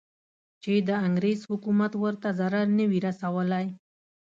چې د انګریز حکومت ورته ضرر نه وي رسولی.